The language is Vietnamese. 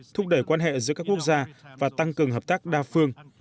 thúc đẩy quan hệ giữa các quốc gia và tăng cường hợp tác đa phương